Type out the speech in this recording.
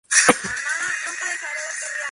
Se encuentra en Mozambique.